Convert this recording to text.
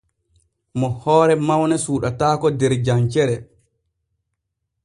Mo hoore mawne suuɗataako der jancere.